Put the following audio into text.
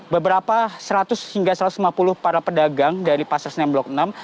beberapa seratus hingga satu ratus lima puluh para pedagang dari pasar senen blok enam